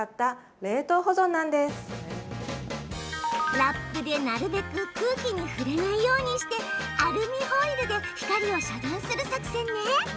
ラップで、なるべく空気に触れないようにしてアルミホイルで光を遮断する作戦ね。